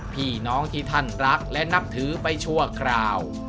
พี่น้องที่ท่านรักและนับถือไปชั่วคราว